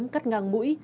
cắt ngang mũi